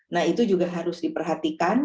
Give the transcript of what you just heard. nah itu juga harus diperhatikan